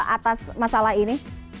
atas masalah ini